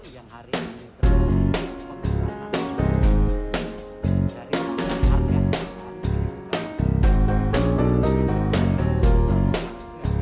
bms itu yang hari ini terlalu memperkenalkan